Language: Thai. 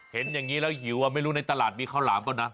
เห็นอย่างนี้แล้วหิวไม่รู้ในตลาดมีข้าวหลามก่อนนะ